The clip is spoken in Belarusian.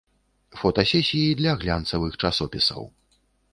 Фотасесіі для глянцавых часопісаў.